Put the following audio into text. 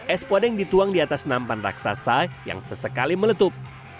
es podeng dituang di atas nampan raksasa yang sesekali meletup